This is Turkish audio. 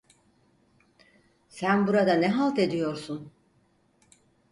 Sen burada ne halt ediyorsun?